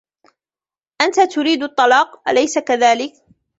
أنتَ تريد الطلاق, أليس كذلك ؟